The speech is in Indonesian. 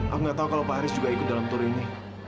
aku nggak tahu kalau pak haris juga ikut dalam tour ini